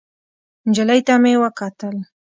نجلۍ ته مې وکتل.